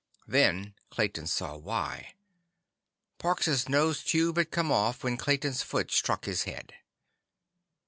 Then Clayton saw why. Parks' nose tube had come off when Clayton's foot struck his head.